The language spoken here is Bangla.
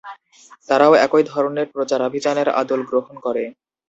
তারাও একই ধরনের প্রচারাভিযানের আদল গ্রহণ করে।